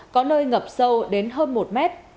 có nơi ngập sâu đến hơn một mét